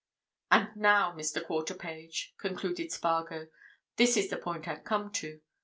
"And now, Mr. Quarterpage," concluded Spargo, "this is the point I've come to.